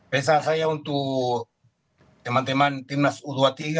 pesan saya untuk teman teman timnas u dua puluh tiga